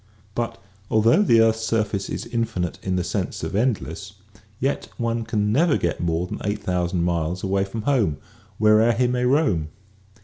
But though the earth's sur face is infinite in the sense of endless, yet one never can get more than 8,000 miles away from home wher e'er he may roam.